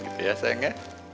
yaudah gitu ya sayangnya